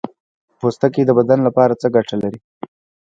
پوستکی د بدن لپاره څه ګټه لري